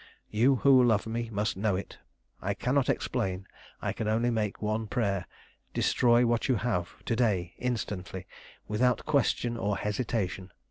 You who love me must know it. I cannot explain, I can only make one prayer. Destroy what you have, to day, instantly, without question or hesitation.